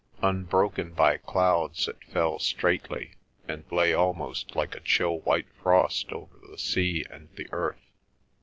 Unbroken by clouds it fell straightly, and lay almost like a chill white frost over the sea and the earth.